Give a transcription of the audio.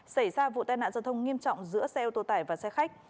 xảy ra vụ tai nạn giao thông nghiêm trọng giữa xe ô tô tải và xe khách